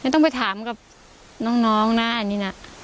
ต้องไปถามกับน้องนะอันนี้นะ